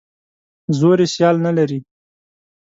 زور یې سیال نه لري.